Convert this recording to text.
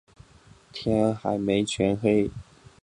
天还没全黑